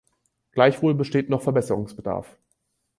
Gleichwohl besteht noch Verbesserungsbedarf.